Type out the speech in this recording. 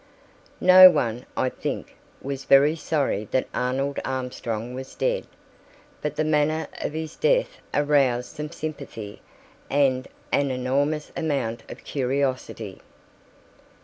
No one, I think, was very sorry that Arnold Armstrong was dead, but the manner of his death aroused some sympathy and an enormous amount of curiosity.